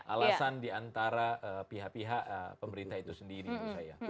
alasan diantara pihak pihak pemerintah itu sendiri menurut saya